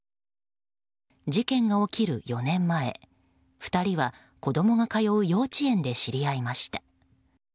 事件が起きる４年前２人は子供が通う幼稚園で知り合いました。